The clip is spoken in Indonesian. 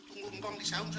udah tunggu mpang di sauna